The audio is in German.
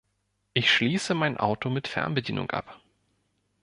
Ich schließe mein Auto mit Fernbedienung ab.